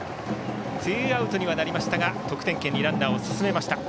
ツーアウトにはなりましたが得点圏にランナーを進めました。